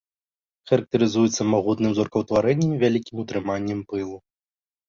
Характарызуецца магутным зоркаўтварэннем і вялікім утрыманнем пылу.